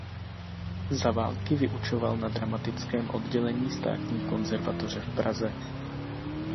Za války vyučoval na dramatickém oddělení Státní konzervatoře v Praze.